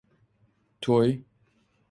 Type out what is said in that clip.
تۆی: